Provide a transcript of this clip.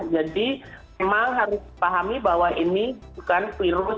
jadi emang harus dipahami bahwa ini bukan virus